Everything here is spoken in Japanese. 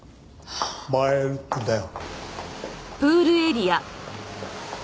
「映える」っていうんだよ。